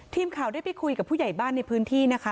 ทีมข่าวได้ไปคุยกับผู้ใหญ่บ้านในพื้นที่นะคะ